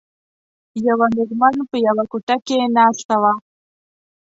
یوه میرمن په یوه کوټه کې ناسته وه.